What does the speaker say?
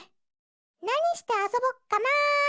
なにしてあそぼっかな？